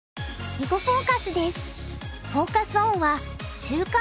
「囲碁フォーカス」です。